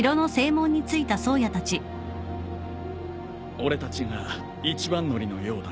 俺たちが一番乗りのようだな。